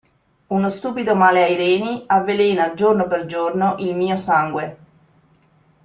Uno stupido male ai reni avvelena giorno per giorno il mio sangue.